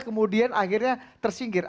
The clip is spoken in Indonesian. kemudian akhirnya tersinggir